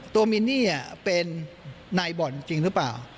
มินนี่เป็นนายบ่อนจริงหรือเปล่า